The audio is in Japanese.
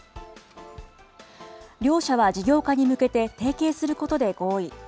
両社は事業化に向けて、提携することで合意。